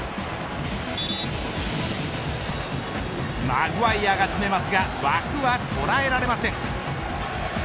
マグワイアが詰めますが枠は捉えられません。